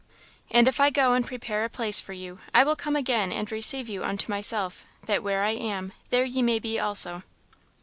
"And if I go and prepare a place for you, I will come again and receive you unto myself; that where I am, there ye may be also."